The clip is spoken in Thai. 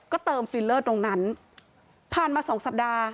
ก็เติมฟิลเลอร์ตรงนั้นผ่านมาสองสัปดาห์